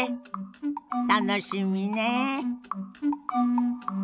楽しみねえ。